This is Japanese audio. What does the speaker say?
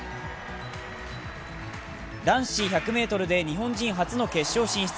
男子１００ｍで日本人初の決勝進出。